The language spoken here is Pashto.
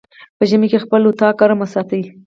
په ژمی کی خپل اطاق ګرم وساتی